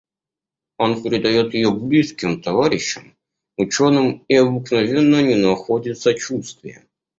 Он передает ее близким, товарищам, ученым и обыкновенно не находит сочувствия.